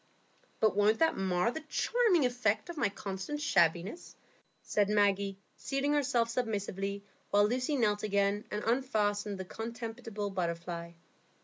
"But won't that mar the charming effect of my consistent shabbiness?" said Maggie, seating herself submissively, while Lucy knelt again and unfastened the contemptible butterfly.